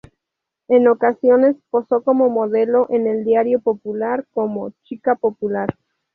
En ocasiones posó como modelo en el Diario Popular como "Chica Popular".